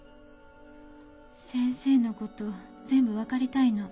先生の事全部分かりたいの。